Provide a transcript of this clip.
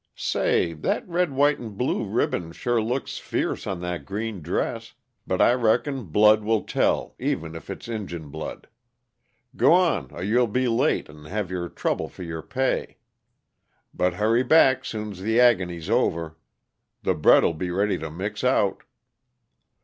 "Say, that red white 'n' blue ribbon sure looks fierce on that green dress but I reckon blood will tell, even if it's Injun blood. G'wan, or you'll be late and have your trouble for your pay. But hurry back soon's the agony's over; the bread'll be ready to mix out."